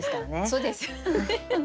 そうですよね。